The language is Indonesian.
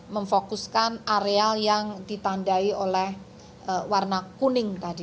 memfokuskan area yang ditandai oleh warna kuning tadi